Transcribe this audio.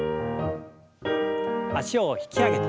脚を引き上げて。